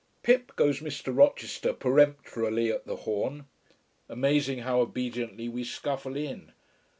Pip! goes Mr. Rochester, peremptorily, at the horn. Amazing how obediently we scuffle in.